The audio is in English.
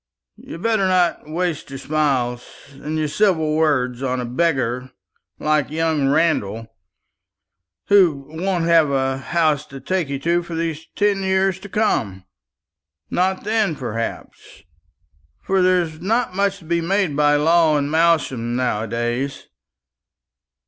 You'd better not waste your smiles and your civil words on a beggar like young Randall, who won't have a home to take you to for these ten years to come not then, perhaps for there's not much to be made by law in Malsham now a days.